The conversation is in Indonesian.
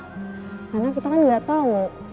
karena kita kan gak tau mungkin salah satu dari mereka